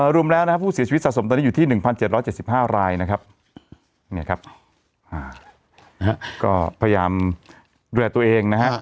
รวมแล้วนะครับผู้เสียชีวิตสะสมตอนนี้อยู่ที่๑๗๗๕รายนะครับเนี่ยครับก็พยายามดูแลตัวเองนะฮะ